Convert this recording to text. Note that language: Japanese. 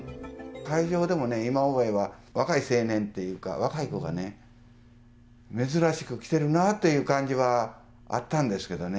会場でも、今思えば若い青年っていうか、若い子がね、珍しく来てるなという感じはあったんですけどね。